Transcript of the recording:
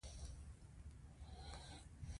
مېلمه ته د زړه پاکه خبره وایه.